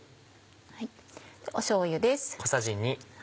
しょうゆです。